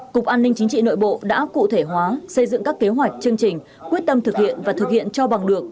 cục an ninh chính trị nội bộ đã cụ thể hóa xây dựng các kế hoạch chương trình quyết tâm thực hiện và thực hiện cho bằng được